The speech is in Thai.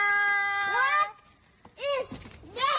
ว๊าอิสเด็ก